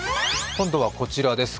今度はこちらです。